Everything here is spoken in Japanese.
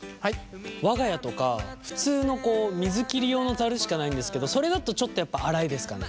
我が家とか普通の水切り用のざるしかないんですけどそれだとちょっとやっぱ粗いですかね。